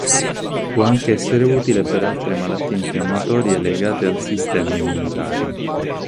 Può anche essere utile per altre malattie infiammatorie legate al sistema immunitario.